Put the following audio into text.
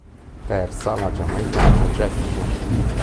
Terza la giamaicana Jackson.